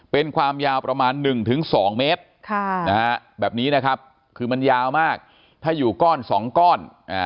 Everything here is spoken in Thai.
เป็นความยาวประมาณ๑๒เมตรแบบนี้นะครับคือมันยาวมากถ้าอยู่ก้อน๒ก้อน